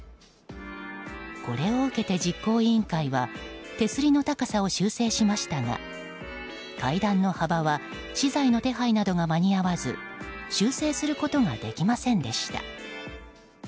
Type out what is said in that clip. これを受けて実行委員会は手すりの高さを修正しましたが階段の幅は資材の手配などが間に合わず修正することができませんでした。